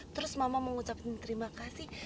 terus mama mau ngucap terima kasih